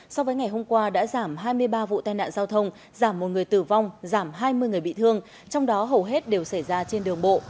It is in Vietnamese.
so với ngày hôm qua đã giảm hai mươi ba vụ tai nạn giao thông giảm một người tử vong giảm hai mươi người bị thương trong đó hầu hết đều xảy ra trên đường bộ